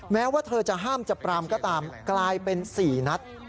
แม้ว่าเธอจะห้ามจะปรามก็ตามกลายเป็น๔นัด